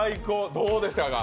どうでしたか？